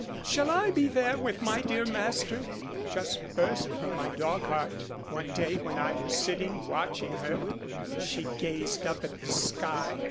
shall I be there with my dear master? just burst from my dog heart, one day when I was sitting watching her as she gazed up at the sky.